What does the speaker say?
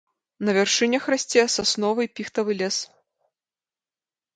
На вяршынях расце сасновы і піхтавы лес.